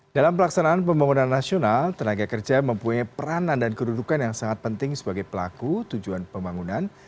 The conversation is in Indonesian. dalam pelaksanaan pembangunan nasional tenaga kerja mempunyai peranan dan kedudukan yang sangat penting sebagai pelaku tujuan pembangunan